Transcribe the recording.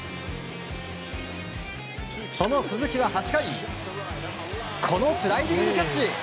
その鈴木は８回このスライディングキャッチ！